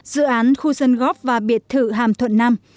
dự án khu sân góp và biệt thử hàm thuận nam